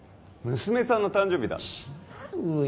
娘さんの誕生日だ違うよ